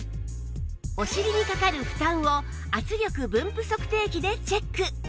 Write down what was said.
お尻にかかる負担を圧力分布測定器でチェック